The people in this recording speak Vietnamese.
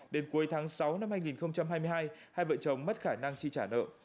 đến cuối tháng sáu năm hai nghìn hai mươi hai hai vợ chồng mất khả năng chi trả nợ